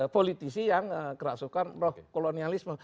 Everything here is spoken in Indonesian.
politisi yang kerasukan roh kolonialisme